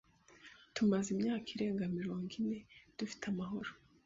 Tumaze imyaka irenga mirongo ine dufite amahoro.